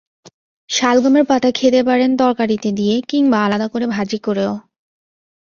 শালগমের পাতা খেতে পারেন তরকারিতে দিয়ে কিংবা আলাদা করে ভাজি করেও।